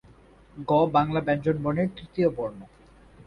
গ বাংলা ব্যঞ্জনবর্ণের তৃতীয় বর্ণ।